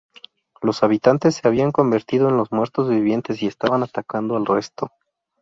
Los habitantes se habían convertido en muertos vivientes y estaban atacando al resto.